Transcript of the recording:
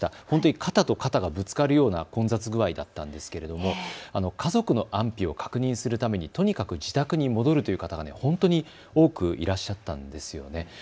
本当に肩と肩がぶつかるような混雑具合だったんですけれども家族の安否を確認するためにとにかく自宅に戻るという方はほんとに多くいらっしゃったんですよね。